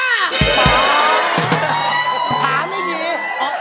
ขาขาขาไม่ดี